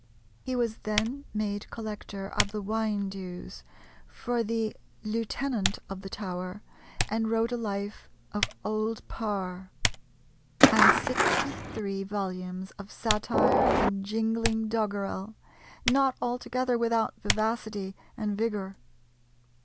He was then made collector of the wine dues for the lieutenant of the Tower, and wrote a life of Old Parr, and sixty three volumes of satire and jingling doggerel, not altogether without vivacity and vigour.